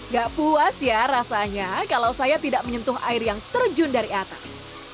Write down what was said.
gak puas ya rasanya kalau saya tidak menyentuh air yang terjun dari atas